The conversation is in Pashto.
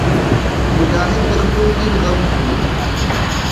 مجاهد د خپل دین غم خوري.